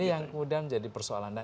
ini yang kemudian jadi persoalan